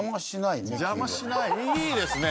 いいですね。